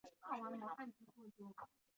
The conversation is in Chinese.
地方民间放送共同制作协议会。